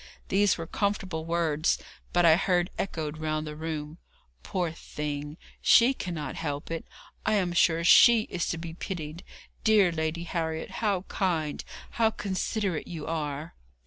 These were comfortable words, but I heard echoed round the room: 'Poor thing! she cannot help it! I am sure she is to be pitied! Dear Lady Harriet, how kind, how considerate you are!'